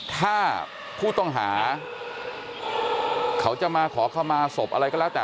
ถ้าผู้ต้องหาเขาจะมาขอเข้ามาศพอะไรก็แล้วแต่